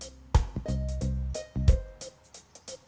kadang ada hal terakhir